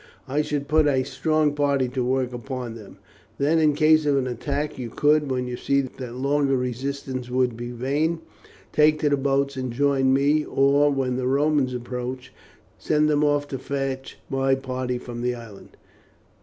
I should put a strong party to work upon them. Then, in case of an attack, you could, when you see that longer resistance would be vain, take to the boats and join me; or, when the Romans approach, send them off to fetch my party from the island.